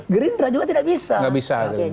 gerindra juga tidak bisa